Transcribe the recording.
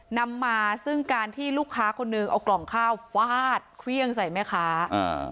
นำมาซึ่งการที่ลูกค้าคนนึงเอากล่องข้าวฟาดเครื่องใส่แม่ค้าอ่า